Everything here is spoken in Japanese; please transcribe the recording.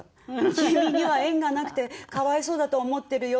「君には縁がなくて可哀想だと思ってるよ」